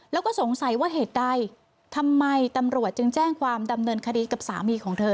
แล้วก็สงสัยว่าเหตุใดทำไมตำรวจจึงแจ้งความดำเนินคดีกับสามีของเธอ